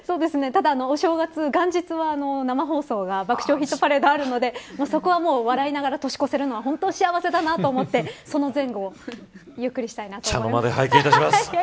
お正月、元日は生放送が爆笑ヒットパレードがあるのでそこは笑いながら年を越せるのは本当に幸せだなと思ってその前後ゆっくりしたいなと思います。